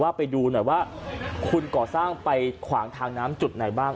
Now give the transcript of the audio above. ไปดูหน่อยว่าคุณก่อสร้างไปขวางทางน้ำจุดไหนบ้าง